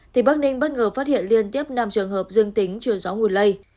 thì bắc ninh bất ngờ phát hiện liên tiếp năm trường hợp dương tính chiều gió nguồn lây